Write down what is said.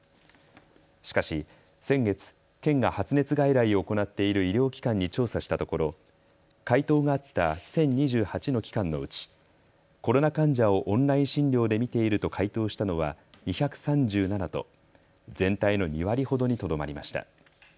しかし先月、県が発熱外来を行っている医療機関に調査したところ回答があった１０２８の機関のうちコロナ患者をオンライン診療で診ていると回答したのは２３７と全体の２割ほどにとどまりました。